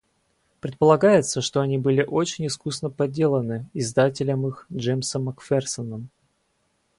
Предполагается, что они были очень искусно подделаны издателем их Джемсом Макферсоном.